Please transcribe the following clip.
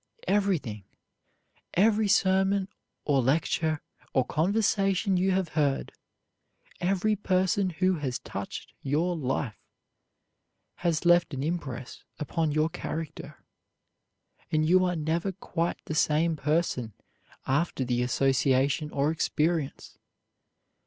Everything every sermon or lecture or conversation you have heard, every person who has touched your life has left an impress upon your character, and you are never quite the same person after the association or experience.